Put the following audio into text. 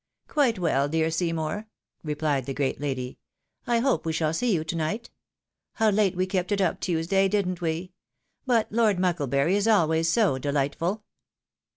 " Quite well, dear Seymour," replied the great lady ;" I hope we shall see you to night ? How late we kept it up, Tuesday, didn't we ? But Lord Mucklebury is always so dehghtful